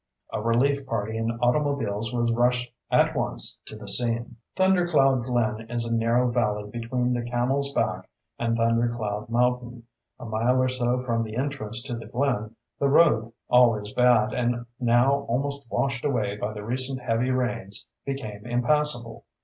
A relief party in automobiles was rushed at once to the scene. Thunder Cloud Glen is a narrow valley between the Camel's Back and Thunder Cloud Mountain. A mile or so from the entrance to the glen the road, always bad and now almost washed away by the recent heavy rains, became impassable.